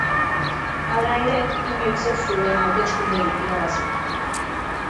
Hala ere, inoiz ez zuen hauteskunderik irabazi.